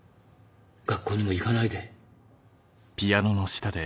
学校にも行かないで。